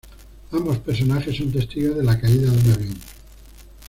Ambos personajes son testigos de la caída de un avión.